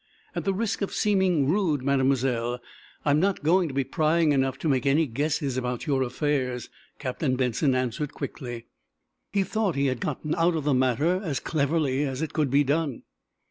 "At the risk of seeming rude, Mademoiselle, I am not going to be prying enough to make any guesses about your affairs," Captain Benson answered, quickly. He thought he had gotten out of the matter as cleverly as it could be done.